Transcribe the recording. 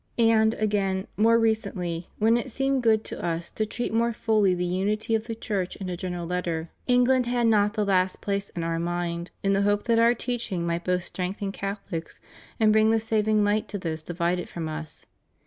And, again, more recently, when it seemed good to Us to treat more fully the unity of the Church in a general Letter, England had not the last place in Our mind, in the hope that Our teaching might both strengthen Catholics and bring the saving light to those divided from Us.